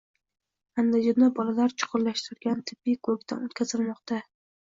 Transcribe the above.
Andijonda bolalar chuqurlashtirilgan tibbiy ko‘rikdan o‘tkazilmoqda